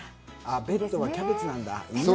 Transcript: ベッドはキャベツなんだ。